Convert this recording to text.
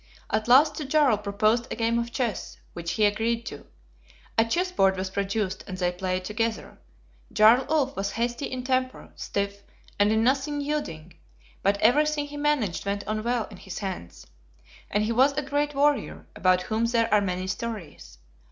At last the Jarl proposed a game of chess, which he agreed to. A chess board was produced, and they played together. Jarl Ulf was hasty in temper, stiff, and in nothing yielding; but everything he managed went on well in his hands: and he was a great warrior, about whom there are many stories.